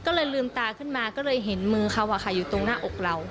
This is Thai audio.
ก็เลยลืมตาขึ้นมาก็เลยเห็นมือเขาอยู่ตรงหน้าอกเรา